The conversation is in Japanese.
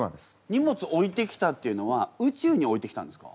荷物置いてきたっていうのは宇宙に置いてきたんですか？